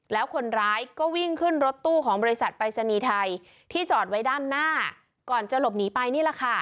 แล้วคนร้ายก็วิ่งขึ้นรถตู้ของบริษัทปรายศนีย์ไทยที่จอดไว้ด้านหน้าก่อนจะหลบหนีไปนี่แหละค่ะ